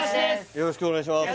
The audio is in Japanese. よろしくお願いします